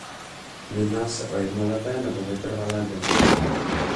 Jedná se o jednoleté nebo vytrvalé byliny.